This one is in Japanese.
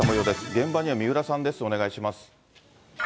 現場には三浦さんです、お願いします。